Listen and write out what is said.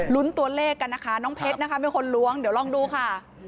ตัวเลขกันนะคะน้องเพชรนะคะเป็นคนล้วงเดี๋ยวลองดูค่ะ